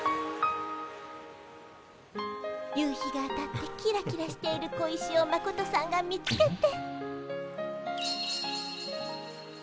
夕日が当たってキラキラしている小石をマコトさんが見つけて。